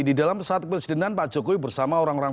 di dalam saat presidenan pak jokowi bersama orang orang